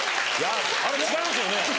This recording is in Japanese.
あれ違いますよね？